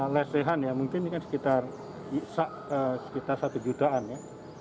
lesehan ya mungkin ini kan sekitar satu jutaan ya